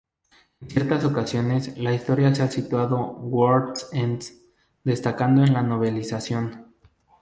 En ciertas ocasiones la historia se ha titulado "World's End", destacando en la novelización.